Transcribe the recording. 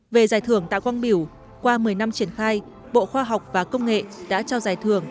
về giải thưởng tại quang biểu qua một mươi năm triển khai bộ khoa học và công nghệ đã trao giải thưởng